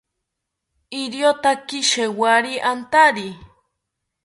Iriotaki shewori antari